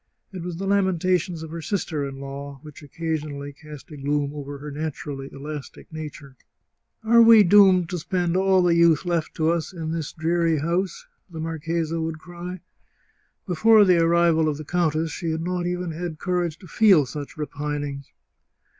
It was the lamentations of her sister in law which occasion ally cast a gloom over her naturally elastic nature. " Are we 25 The Chartreuse of Parma doomed to spend all the youth left to us in this dreary house ?" the marchesa would cry. Before the arrival of the countess she had not even had courage to feel such re pinings.